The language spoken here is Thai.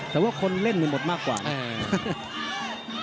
แต่ว่าคนเล่นมันหมดมากกว่าเนี่ย